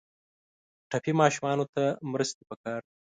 ټپي ماشومانو ته مرستې پکار دي.